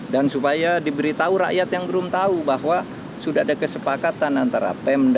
dan supaya diberitahu rakyat yang belum tahu bahwa sudah ada kesepakatan antara pem